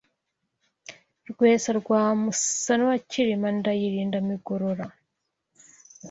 Rwesa rwa Musana wa Cyilima Ndayirinda imigorora